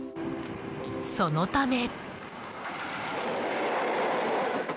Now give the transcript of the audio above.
そのため。